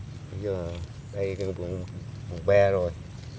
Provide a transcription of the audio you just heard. bây giờ đây cũng ba rồi